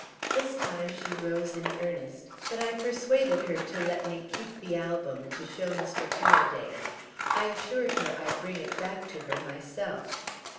This time she rose in earnest, but I persuaded her to let me keep the album to show Mr. Paraday. I assured her I'd bring it back to her myself.